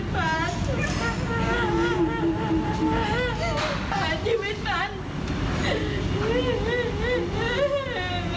เผื่อชีวิตนั้น